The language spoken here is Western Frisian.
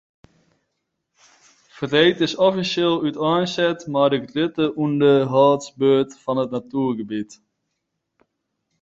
Freed is offisjeel úteinset mei de grutte ûnderhâldsbeurt fan it natuergebiet.